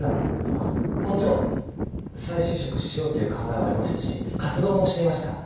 もちろん再就職しようという考えはありましたし活動もしていました。